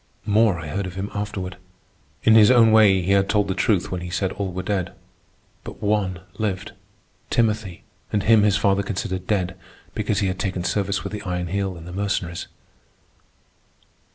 More I heard of him afterward. In his own way he had told the truth when he said all were dead. But one lived, Timothy, and him his father considered dead because he had taken service with the Iron Heel in the Mercenaries.